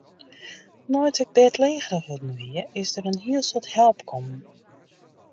Nei't ik bêdlegerich wurden wie, is der in hiel soad help kommen.